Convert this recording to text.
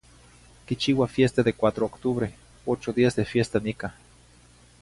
Quichiua fiesta de cuatro octubre, ocho días de fiesta nicah.